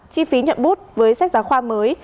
chi phí nhận bút với sách giáo khoa mới